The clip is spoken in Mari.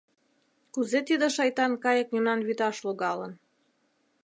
Кузе тиде шайтан кайык мемнан вӱташ логалын!